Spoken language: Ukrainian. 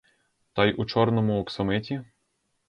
Та й у чорному оксамиті?